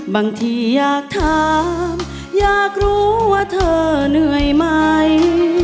บางทีอยากถามอยากรู้ว่าเธอเหนื่อยไหม